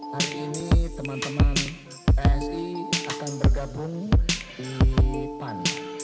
hai hari ini teman teman si akan bergabung di pan